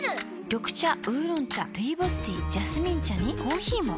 緑茶烏龍茶ルイボスティージャスミン茶にコーヒーも。